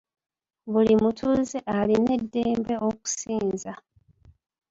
Buli mutuuze alina eddembe okusinza.